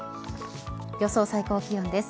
予想最高気温です。